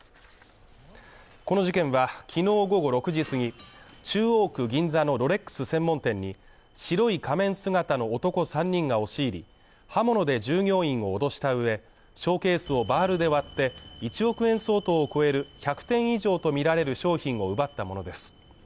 この事件は、きのう午後６時すぎ、中央区銀座のロレックス専門店に白い仮面姿の男３人が押し入り、刃物で従業員を脅した上、ショーケースをバールで割って１億円相当を超える１００点以上とみられる商品を奪ったものです。